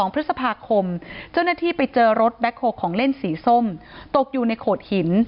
๒พฤษภาคมเจ้าหน้าที่ไปเจอรถแบ็คโฮลของเล่นสีส้มตกอยู่ในโขดหิน